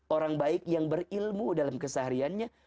orang baik yang berilmu dalam kesehariannya